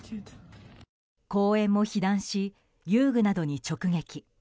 公園も被弾し、遊具などに直撃。